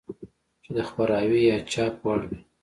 چې د خپراوي يا چاپ وړ وي.